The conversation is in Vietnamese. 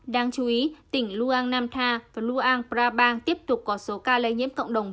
đáng chú ý tỉnh luang nam ta và luang prabang tiếp tục có số ca lây nhiễm cộng đồng